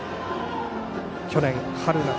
去年春夏